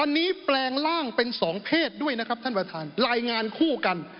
วันนี้แปลงร่างเป็นสองเพศด้วยนะครับท่านประธานรายงานคู่กัน